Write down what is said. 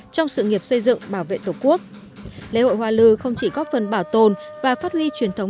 trong sự nghiệp xây dựng bảo vệ tổ quốc lễ hội hoa lư không chỉ góp phần bảo tồn và phát huy truyền thống